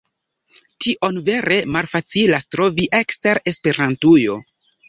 Tion vere malfacilas trovi ekster Esperantujo.